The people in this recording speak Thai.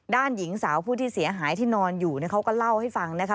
หญิงสาวผู้ที่เสียหายที่นอนอยู่เขาก็เล่าให้ฟังนะคะ